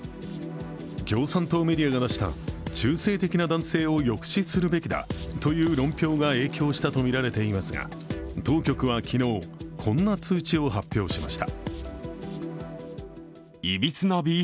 共産党メディアが出した中性的な男性を抑止するべきだという論評が影響したとみられていますが、当局は昨日こんな通知を発表しました。